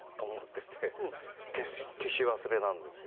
消し忘れなんですよ。